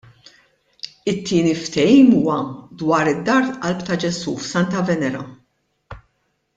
It-tieni ftehim huwa dwar id-Dar Qalb ta' Ġesu f'Santa Venera.